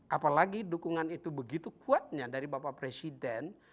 apalagi dukungan itu begitu kuatnya dari bapak presiden